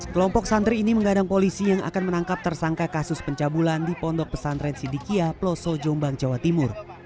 kelompok santri ini menggadang polisi yang akan menangkap tersangka kasus pencabulan di pondok pesantren sidikia peloso jombang jawa timur